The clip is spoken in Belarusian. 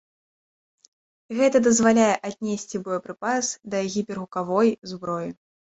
Гэта дазваляе аднесці боепрыпас да гіпергукавой зброі.